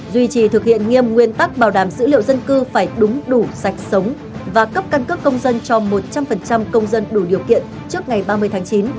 duy trì thực hiện nghiêm nguyên tắc bảo đảm dữ liệu dân cư phải đúng đủ sạch sống và cấp căn cước công dân cho một trăm linh công dân đủ điều kiện trước ngày ba mươi tháng chín